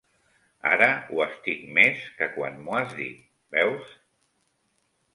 Ara ho estic més que quan m'ho has dit, veus?